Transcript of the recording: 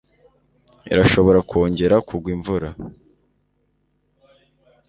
irashobora kongera kugwa imvura